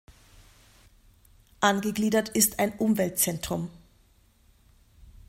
Angegliedert ist ein Umweltzentrum.